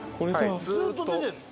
ずっと出てるの？